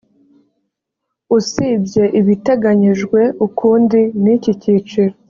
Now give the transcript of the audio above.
usibye ibiteganyijwe ukundi n iki cyiciro